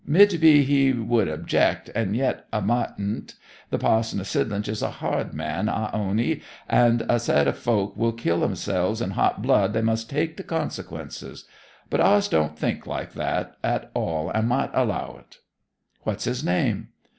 'Mid be he would object, and yet 'a mid'nt. The pa'son o' Sidlinch is a hard man, I own ye, and 'a said if folk will kill theirselves in hot blood they must take the consequences. But ours don't think like that at all, and might allow it.' 'What's his name?'